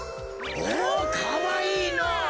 おかわいいのぉ。